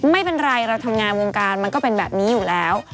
ไม่เป็นไรเราทำงานวงการมันก็เป็นแบบนี้อยู่แล้ว